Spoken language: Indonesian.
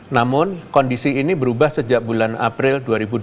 namun kondisi ini berubah sejak bulan april dua ribu dua puluh